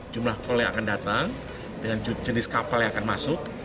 jumlah call yang akan datang dengan jenis kapal yang akan masuk